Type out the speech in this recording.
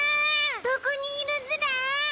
どこにいるズラ？